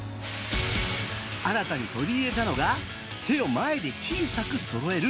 新たに取り入れたのが手を前で小さくそろえる